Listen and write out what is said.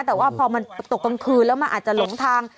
แต่ว่าพอมันตกกลางคืนแล้วมันอาจจะหลงทาง